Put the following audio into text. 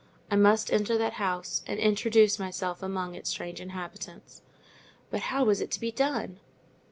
I must enter that house, and introduce myself among its strange inhabitants. But how was it to be done?